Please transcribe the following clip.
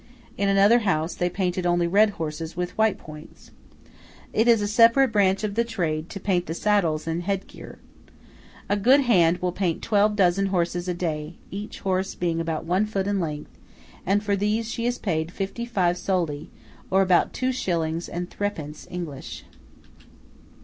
In another house, they painted only red horses with white points. It is a separate branch of the trade to paint the saddles and head gear. A good hand will paint twelve dozen horses a day, each horse being about one foot in length; and for these she is paid fifty five soldi, or about two shillings and threepence English.